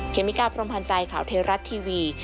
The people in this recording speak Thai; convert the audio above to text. เคมิการ์พรมพันธ์ใจข่าวเทราะท์ทีวี